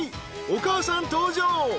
［お母さん登場］